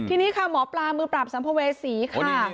ทีนี้ค่ะหมอปลามือปราบสัมภเวษีค่ะ